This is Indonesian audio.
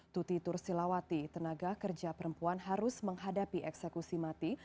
tuti tursilawati tenaga kerja perempuan harus menghadapi eksekusi mati